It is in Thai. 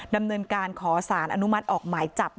ดำเนินการขอสารอนุมัติออกหมายจับ